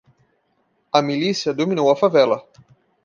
A milícia dominou a favela.